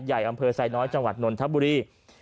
ใหญ่อำเภอไซน์น้อยจนนต์ทัพบุรี